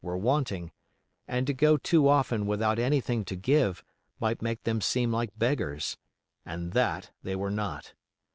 were wanting, and to go too often without anything to give might make them seem like beggars, and that they were not.